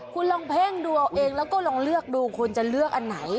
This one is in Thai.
คุณลองเพ่งดูเอาเองแล้วก็ลองเลือกดูคุณจะเลือกอันไหน